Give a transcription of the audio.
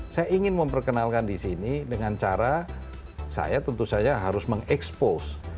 saya ingin memperkenalkan di sini dengan cara saya tentu saja harus mengekspos